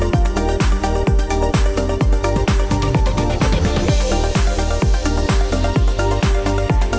nah ini aku boo